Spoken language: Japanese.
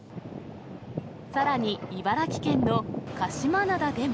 さらに、茨城県の鹿島灘でも。